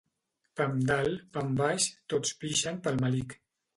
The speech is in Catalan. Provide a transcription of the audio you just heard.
Pam dalt, pam baix, tots pixen pel melic.